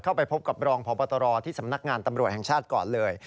เข้าไปพบกับรองพบตรที่สำนักงานตำรวจแห่งชาติก่อนเลย